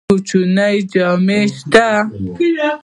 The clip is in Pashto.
کوچنی جامی شته؟